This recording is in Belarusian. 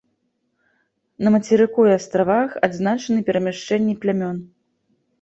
На мацерыку і астравах адзначаны перамяшчэнні плямён.